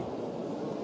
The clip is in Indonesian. ya ini cukup